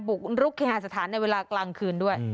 บุกรุกเคหาสถานในเวลากลางคืนด้วย